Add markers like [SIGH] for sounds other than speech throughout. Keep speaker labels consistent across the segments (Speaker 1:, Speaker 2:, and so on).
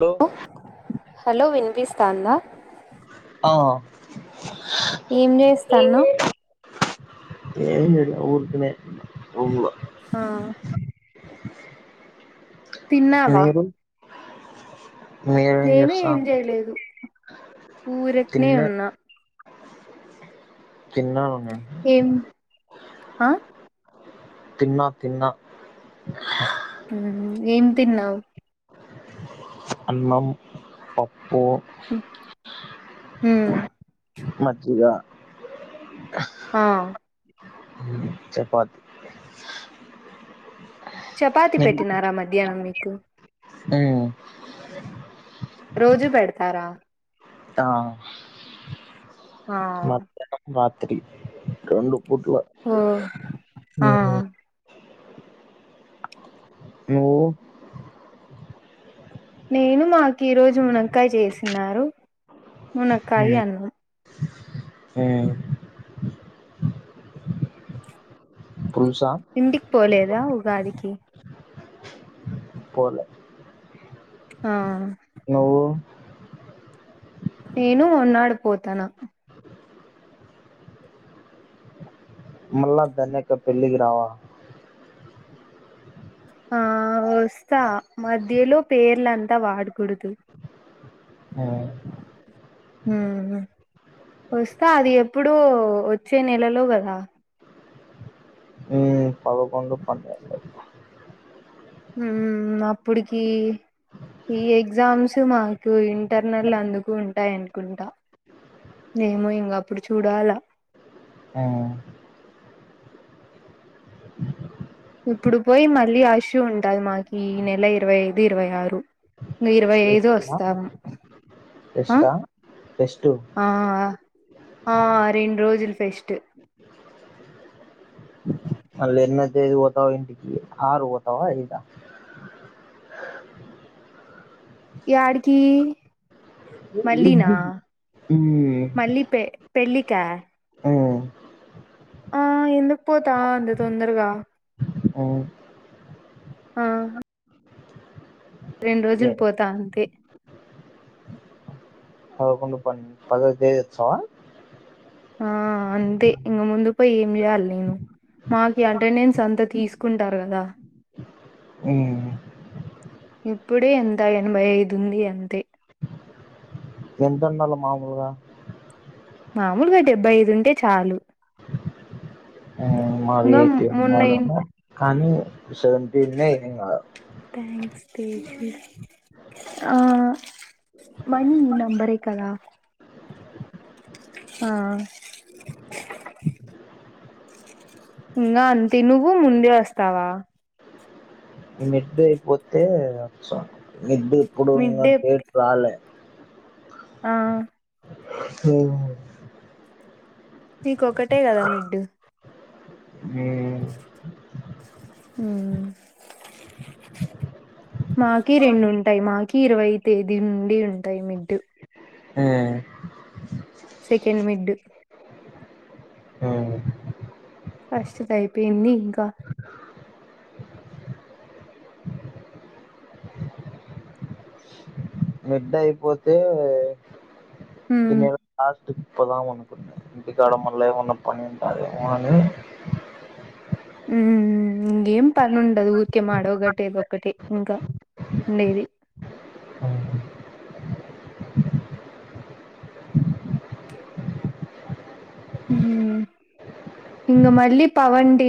Speaker 1: Hello
Speaker 2: హో hello వినిపిస్తోందా
Speaker 1: ఆ
Speaker 2: ఏం చేస్తాన్నావ్
Speaker 1: ఏం లేదు ఊరికే రూమ్లో
Speaker 2: ఆ తిన్నావా
Speaker 1: నువ్ ఏం ఏం
Speaker 2: నేను
Speaker 1: చేస్తా
Speaker 2: చేయలేదు ఊరకనే
Speaker 1: తిన్నా
Speaker 2: ఉన్నా
Speaker 1: తిన్నా బంగా
Speaker 2: ఏం ఆ
Speaker 1: తిన్నా తిన్నా
Speaker 2: ఉమ్ ఏం తిన్నావు
Speaker 1: అన్నం పప్పు
Speaker 2: ఉమ్
Speaker 1: మజ్జిగ
Speaker 2: ఆ
Speaker 1: చపాతి
Speaker 2: చపాతి పెట్టినారా మధ్యాహ్నం మీకు
Speaker 1: ఏవు
Speaker 2: రోజు బెడుతారా
Speaker 1: తావు
Speaker 2: ఆ
Speaker 1: మధ్యాహ్నం రాత్రి రెండు పుట్ల
Speaker 2: ఓ ఆ
Speaker 1: హయ నువ్వు
Speaker 2: నేను మాకు ఈ రోజు మునక్కాయ చేసినారు
Speaker 1: ఉమ్
Speaker 2: మునక్కాయ్ అన్నం
Speaker 1: ఉమ్ పులుసా
Speaker 2: ఇంటికి పోలేదా ఉగాదికి
Speaker 1: పోలే
Speaker 2: ఆ
Speaker 1: నువ్వు
Speaker 2: నేను మోన్నాడు పోతనా
Speaker 1: మళ్ళా ధన్య అక్క పెళ్లికి రావా
Speaker 2: ఆ వస్తా మధ్యలో పేర్లంతా వాడకూడదు
Speaker 1: ఆ
Speaker 2: ఉ వస్తా అది ఎప్పుడో వచ్చే నెలలో కదా
Speaker 1: ఉమ్, పదకొండు పన్నెండు
Speaker 2: ఉమ్ అప్పుడికి ఈ ఎగ్జామ్స్ మాకు ఇంటర్నల్ అందుకు ఉంటాయి అనుకుంటా ఏమో ఇంగ అప్పుడు చూడాల
Speaker 1: ఉ
Speaker 2: ఇప్పుడు పోయి మళ్ళీ అషూ ఉంటది మాకి ఈ నెల ఇరవై ఐదు ఇరవై ఆరు మే ఇరవై ఐదు
Speaker 1: ఫెస్టా
Speaker 2: వస్తావా
Speaker 1: ఫెస్టా ఫెస్టు
Speaker 2: ఆ రెండు రోజులు ఫెస్ట్
Speaker 1: మళ్ళ ఎన్నో తేది పోతావ్ ఇంటికి ఆరు పోతావా ఐద
Speaker 2: యాడికి మళ్ళీనా
Speaker 1: ఇంటికి ఉమ్.
Speaker 2: మళ్ళీ పె పెళ్లి కా
Speaker 1: ఉమ్,
Speaker 2: ఆ ఎందుకు పోతా అంత తొందరగా
Speaker 1: ఉమ్,
Speaker 2: ఆ రెండు
Speaker 1: ఏ,
Speaker 2: రోజులు పోతా అంతే
Speaker 1: పదకొండు పన్నెండు పదో తేది వచ్చావా
Speaker 2: ఆ అంతే ఇంక ముందు పోయి ఏం చేయాలి నేను మాకి అటెండెన్స్ అంతా తీసుకుంటారు కదా
Speaker 1: ఉమ్
Speaker 2: ఇప్పుడే ఎంత ఎనభై ఐదు ఉంది అంతే
Speaker 1: ఎంత ఉండాల మామూలుగా
Speaker 2: మామూలుగా డెబ్బై ఐదు ఉంటే చాలు
Speaker 1: ఆ మావి
Speaker 2: ఇంగ
Speaker 1: ఎయిట్
Speaker 2: మొన్న ఇన్-
Speaker 1: కానీ సేవేంటి ఉన్న ఎం కాదు
Speaker 2: [INAUDIBLE] ఆ మని నంబరే కదా ఆ ఇంకా అంతే నువ్వు ముందే వస్తావ
Speaker 1: మిడ్డు అయిపోతే వస్తాను మిడ్ ఇప్పుడు
Speaker 2: మిడ్డే
Speaker 1: డేట్ రాలే
Speaker 2: ఆ
Speaker 1: హ
Speaker 2: నీకొక్కటే కదా మిడ్డు
Speaker 1: హ్మ్
Speaker 2: హు మాకి రెండుంటాయి మాకి ఇరవై తేదీ నుండి ఉంటాయి మిడ్డు సెకెండ్ మిడ్
Speaker 1: ఉమ్.
Speaker 2: ఫస్ట్ ది అయిపోయింది ఇంకా
Speaker 1: మిడ్ అయిపోతే ఈ
Speaker 2: మ్మ్
Speaker 1: నెలా లాస్ట్ పదము అనుకున్న ఇంటి కడ మల్ల ఏమన్నా పని ఉంటది ఏమో అని
Speaker 2: హు ఇంకేం పని ఉండదు ఊరికే మాడవ కాటేది ఒకటే ఇంకా ఉండేది
Speaker 1: అవును
Speaker 2: హ్మ్ ఇంగ మళ్ళీ పవన్ డి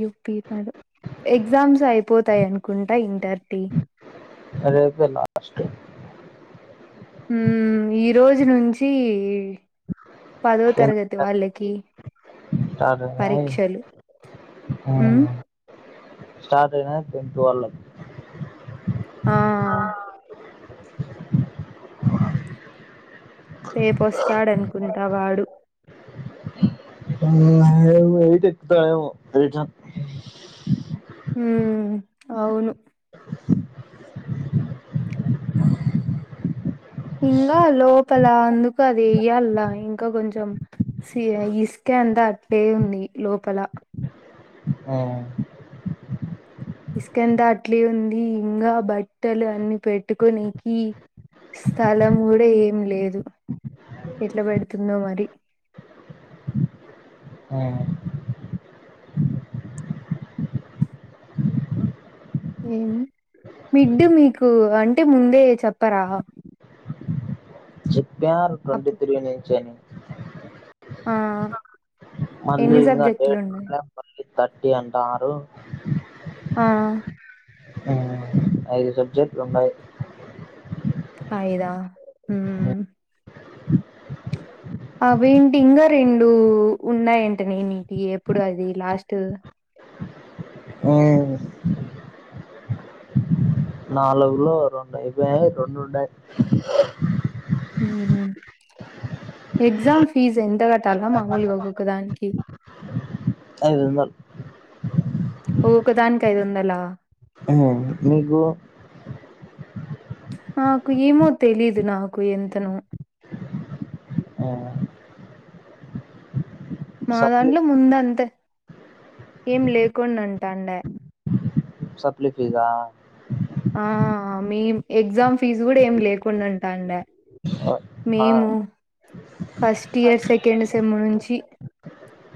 Speaker 2: యూపి మ ఎగ్జామ్స్ అయిపోతాయ అనుకుంటా ఇంటర్ టి
Speaker 1: రేపే లాస్ట్
Speaker 2: హుమ్మ్ ఈ రోజు నుంచి పదో
Speaker 1: టెన్
Speaker 2: తరగతి వాళ్ళకి
Speaker 1: స్టార్ట్ అయినాయి
Speaker 2: పరీక్షలు
Speaker 1: హా
Speaker 2: ఉమ్
Speaker 1: స్టార్ట్ అయినా టెన్త్ వాళ్ళకి
Speaker 2: హా రేపొస్తాడనుకుంటా వాడు
Speaker 1: హ్మ్మ్ ఆవెయిట్ ఎక్తనెమో ఎయిట్
Speaker 2: హ్మ్ అవును ఇంగా లోపల అందుకు అది వేయ్యలా ఇంకా కొంచెం ఇస్తే అంత అట్లే ఉంది లోపల ఇసుకంత అట్లే ఉంది ఇంకా బట్టలు అన్ని పెట్టుకునికి స్థలం కూడా ఏం లేదు ఎట్లా పెడుతుందో మరి
Speaker 1: అ
Speaker 2: ఏం మిడ్డు మీకు అంటే ముందే చెప్పరా
Speaker 1: ప్యారు ట్వంటీ
Speaker 2: అప్
Speaker 1: త్రీ నుంచి అని
Speaker 2: ఆ
Speaker 1: మళ్ళీ
Speaker 2: ఎన్ని
Speaker 1: ఇంగా
Speaker 2: సబ్జెక్టులు
Speaker 1: డేట్
Speaker 2: ఉన్నాయి
Speaker 1: మళ్లి థర్టీ అంటారు
Speaker 2: ఆ
Speaker 1: హ్మ్మ్ ఐదు సబ్జెక్ట్లు ఉండాయి
Speaker 2: ఐయిదా హ్మ్మ్ అవేటి ఇంగా రెండు ఉన్నాయంట నే నీటి ఎప్పుడు అది లాస్ట్
Speaker 1: నాలుగులో రెండు అయిపోయినాయి రెండు ఉండాయి
Speaker 2: హ్మ్ హు ఎగ్జామ్ ఫీజ్ ఎంతగాటలా మాములుగా ఒక్కకొక దానికి
Speaker 1: ఐదొందల్
Speaker 2: ఒక్క దానికి ఐదొందల
Speaker 1: హ మీకు
Speaker 2: మాకు ఏమో తెలీదు నాకు ఎంతను మా
Speaker 1: సప్లి
Speaker 2: దాంట్లో ముందంతే ఏం లేకుండంటెండే
Speaker 1: సప్లి ఫిజా
Speaker 2: ఆ మీ ఎగ్జామ్ ఫీజు కూడా ఏమి లేకుండంటాండే మేము ఫస్ట్ ఇయర్ సెకండ్ సెమ్ నుంచి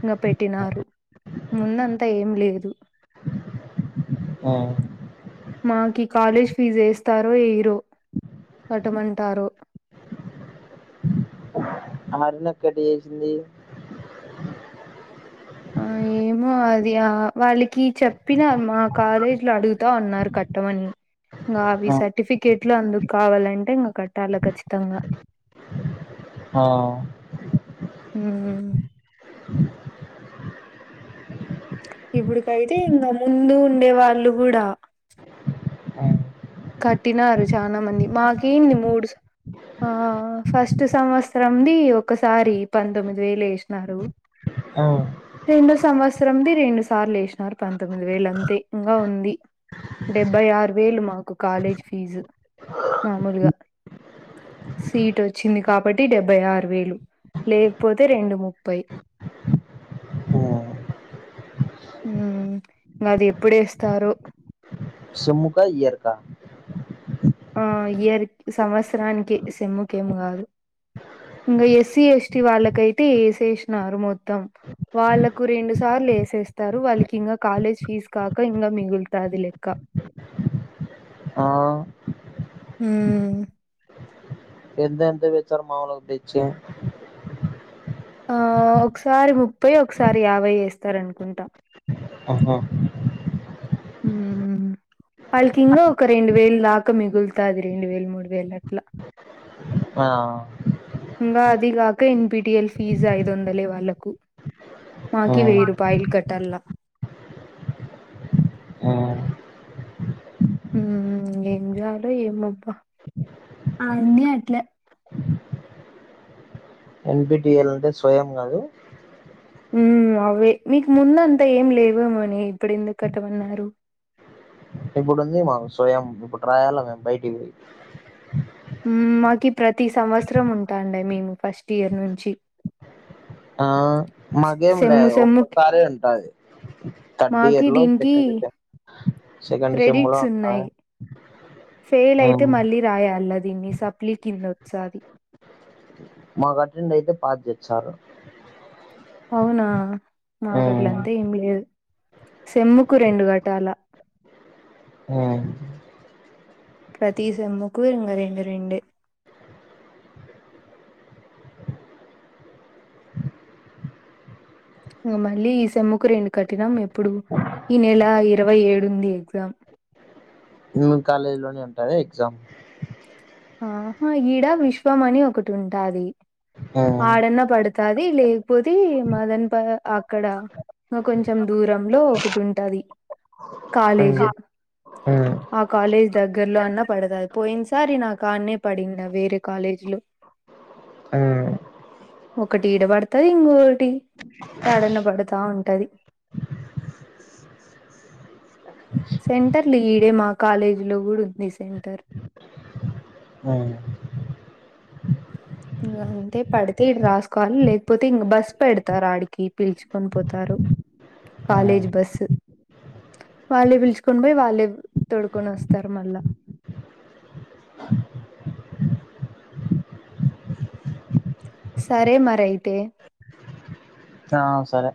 Speaker 2: గ పెట్టినారు ముందంత ఏంలేదు
Speaker 1: ఆ
Speaker 2: మాకి కాలేజ్ ఫీజు ఏస్తారో ఎయిరో కటమంటారు
Speaker 1: [UNINTELLIGIBLE]
Speaker 2: ఆ ఏమో అది ఆ వాళ్ళకి చెప్పిన మా కాలేజీ లో అడుగుతా ఉన్నారు కట్టమని ఇంగా అవి సర్టిఫికేట్లు అందుకు కావాలంటే ఇంగ కట్టాల ఖచ్చితంగా
Speaker 1: హ
Speaker 2: ఉమ్ ఇప్పుడుకైతే ఇంగా ముందు ఉండే వాళ్ళు గూడా కట్టినారు చానా మంది మాకేంది మూడు ఆ ఫస్ట్ సంవత్సరంది ఒకసారి పంతొమ్మిది వేలువేసినారు
Speaker 1: అ
Speaker 2: రెండో సంవత్సరంది రెండు సార్లు వెసినారు పంతొమ్మిది వేలంతే ఇంగా ఉంది డెబ్బై ఆరు వేలు మాకు కాలేజీ ఫీజు మామూలుగా సీట్ వచ్చింది కాబట్టి డెబ్బై ఆరు వేలు లేకపోతే రెండు ముప్పై
Speaker 1: ఆ
Speaker 2: ఉమ్ మది ఎప్పుడేస్తారో
Speaker 1: సేముక ఇయర్ కా
Speaker 2: ఆ ఇయర్ సంవత్సరానికి సేమ్ముకేమి కాదు ఇంగ ఎస్సీ ఎస్టి వాళ్ళకైతే ఎసేషినారు మొత్తం వాళ్ళకు రెండు సార్లు వేసేస్తారు వాళ్ళకింగా కాలేజ్ ఫీజు కాక ఇంగా మిగులుతది లెక్క
Speaker 1: ఆహ్
Speaker 2: ఉమ్
Speaker 1: ఎంత ఎంత తెచ్చారు మాముూలుగ తెచ్చె
Speaker 2: ఆ ఒకసారి ముప్పై ఒకసారి యాభై యేస్తారనుకుంటా
Speaker 1: ఆహా
Speaker 2: వాళ్ళకింగా ఒక రెండు వేలు దాకా మిగులుతది రెండు వేలు మూడు వేలు అట్లా
Speaker 1: ఆ
Speaker 2: ఇంగా అదిగాక N P T L fee ఐదొందలే వాళ్లకు మాకి వెయ్యి రూపాయల్ కట్టల్లా
Speaker 1: ఉమ్ [INAUDIBLE]
Speaker 2: ఇంగేం జేయాలో ఏమోబ్బ అన్నీ అట్లే
Speaker 1: ఎన్ పి టి ఎల్ అంటే స్వయం గాదు
Speaker 2: ఉమ్ అవ్వే నీకు ముందంతా ఏం లేవేమోనే ఇప్పుడు ఎందుకట్టమన్నారు
Speaker 1: ఇప్పుడుంది మాకు స్వయం ఇప్పుడు రాయాల మేం బయటిక్పోయి
Speaker 2: ఉమ్ మాకి ప్రతి సంవత్సరం ఉంటాండయ్ మేము ఫస్ట్ ఇయర్ నుంచి
Speaker 1: ఆ మాగేం
Speaker 2: సెమ్ము
Speaker 1: లేదు
Speaker 2: సెమ్ము
Speaker 1: ఒక్కసారే ఉంటాది థర్డ్
Speaker 2: మాకి
Speaker 1: ఇయర్ లో
Speaker 2: దీనికి
Speaker 1: సెకండ్ సెమ్ సెకండ్ లో
Speaker 2: క్రెడిట్స్
Speaker 1: ఉంటది
Speaker 2: ఉన్నాయి, ఫేలయితే
Speaker 1: ఉమ్,
Speaker 2: మళ్ళీ రాయాల్లద్ దీన్ని సప్లీ కిందోత్సాది
Speaker 1: మాకటెండ్ అయితే పాస్ జేపిస్తారు
Speaker 2: అవునా మాకట్లన్త ఏమి లేదు సెమ్ముకు రెండు గట్టాల
Speaker 1: ఉమ్
Speaker 2: ప్రతీ సేమ్ముకూ ఇంగ రెండు రెండే ఇగ మళ్ళీ ఈ సేమ్ముకు రెండు కట్టినం ఎప్పుడు ఈ నెల ఇరవై ఏడుంది ఎగ్జామ్
Speaker 1: మి కాలేజీ లోనే వుంటదా ఎగ్జామ్
Speaker 2: ఆహా ఈడ విశ్వం అని ఒకటుమ్టాది
Speaker 1: ఉమ్.
Speaker 2: ఆడన్న పడుత్ అది లేకపోతే మదన్పా అక్కడ క కొంచెం దూరంలో ఒకటున్టాది
Speaker 1: ఆ
Speaker 2: కాలేజీ ఆ కాలేజ్ దగ్గర్లో అన్న పడతాది పోయిన్సారి నాకు కాన్నే పడింద వేరే కాలేజీలో
Speaker 1: హా
Speaker 2: ఒకటీడ బడుతది ఇంగొకటి యాడన్న పడుతా ఉంటది సెంటర్లు ఈడే మా కాలేజీలో గూడుంది సెంటర్
Speaker 1: ఆ
Speaker 2: ఇంగంతే పడితే ఈడ రాసుకోవాలి లేకపోతే ఇంక బస్ పెడతారాడికి పిలుచుకొని పోతారు కాలేజ్ బస్ వాళ్ళే పిలుచుకొని పోయి వాళ్ళే తొడుకొని ఒస్తారు మళ్ళా సరే మరయితే
Speaker 1: ఆ సరే